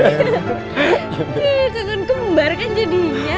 ih kaget kumbar kan jadinya